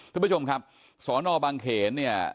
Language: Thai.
ทุกผู้ชมครับสอนอบางเขนเนี่ย